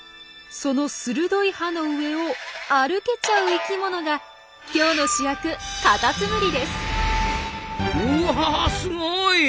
その鋭い刃の上を歩けちゃう生きものが今日の主役うわすごい！